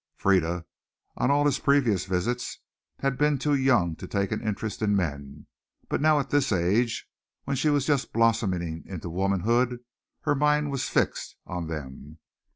Frieda, on all his previous visits, had been too young to take an interest in men, but now at this age, when she was just blossoming into womanhood, her mind was fixed on them.